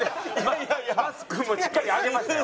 マスクもしっかり上げましたよ。